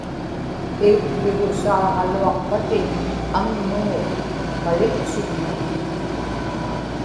ikł̣igusaaġaluaqpatin aŋŋuu maliksugnak